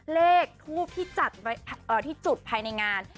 เลขทูปที่จัดที่จุดภายในงาน